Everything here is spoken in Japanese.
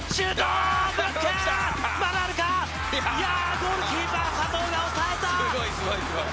ゴールキーパー・佐藤がおさえた！